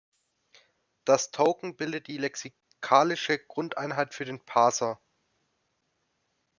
Das Token bildet die lexikalische Grundeinheit für den Parser.